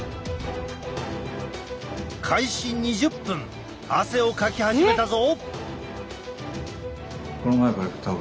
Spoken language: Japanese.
開始２０分汗をかき始めたぞ！